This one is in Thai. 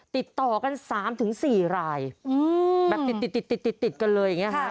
ติดต่อกันสามถึงสี่รายอืมแบบติดติดติดติดติดกันเลยอย่างเงี้ยฮะ